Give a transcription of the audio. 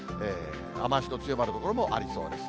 雨足の強まる所もありそうです。